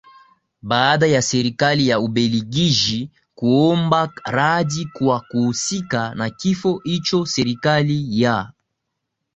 baada ya Serikali ya Ubeligiji kuomba radhi kwa kuhusika na kifo hicho Serikali ya